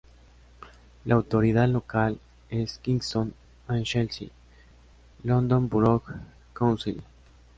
La autoridad local es Kensington and Chelsea London Borough Council.